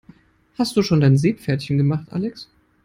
Hast du schon dein Seepferdchen gemacht, Alex?